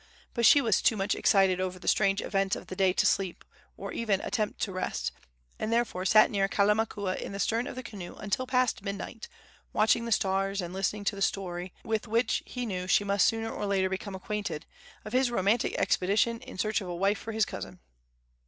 But she was too much excited over the strange events of the day to sleep, or even attempt to rest, and therefore sat near Kalamakua in the stern of the canoe until past midnight, watching the stars and listening to the story, with which he knew she must sooner or later become acquainted, of his romantic expedition in search of a wife for his cousin.